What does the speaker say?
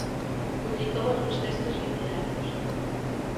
Publicou algúns textos literarios.